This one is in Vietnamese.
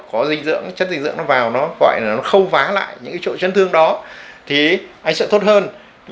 có chất dinh dưỡng vào nó gọi là nó khâu phá lại những chỗ chấn thương đó thì anh sẽ tốt hơn